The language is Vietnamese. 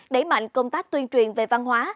đẩy mạnh công tác tuyên truyền về văn hóa